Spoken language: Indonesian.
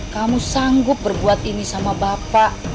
kamu sanggup berbuat ini sama bapak